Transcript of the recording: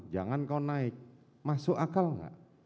jangan kau naik masuk akal nggak